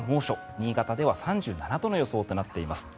新潟では３７度の予想になっています。